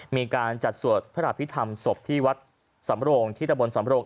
มีการจัดสวดพระอภิษฐรรมศพที่วัดสำโรงที่ตะบนสำโรง